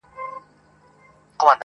دا خو رښتيا خبره,